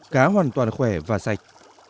cá hoàn toàn khỏe và sạch